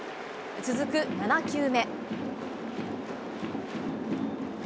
続く７球目。